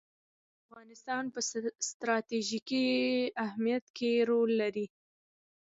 بزګان د افغانستان په ستراتیژیک اهمیت کې رول لري.